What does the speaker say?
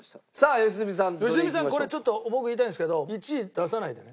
良純さんこれちょっと僕言いたいんですけど１位出さないでね。